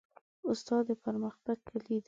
استاد د پرمختګ کلۍ ده.